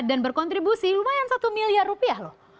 dan berkontribusi lumayan satu miliar rupiah loh